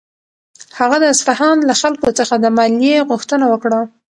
هغه د اصفهان له خلکو څخه د مالیې غوښتنه وکړه.